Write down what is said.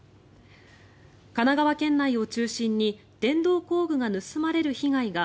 神奈川県内を中心に電動工具が盗まれる被害が